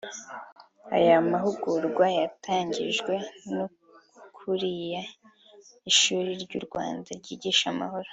Aya mahugurwa yatangijwe n’ukuriye Ishuri ry’u Rwanda ryigisha amahoro